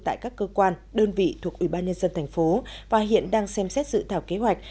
tại các cơ quan đơn vị thuộc ủy ban nhân dân thành phố và hiện đang xem xét dự thảo kế hoạch